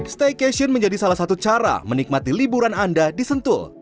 staycation menjadi salah satu cara menikmati liburan anda di sentul